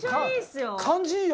「感じいい」